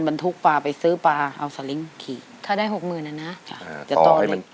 เอาไปโอ๊คต่อสาลิงให้มัน